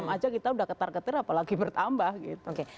aja kita udah ketar ketir apalagi bertambah gitu